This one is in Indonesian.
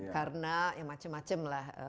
karena yang macem macem lah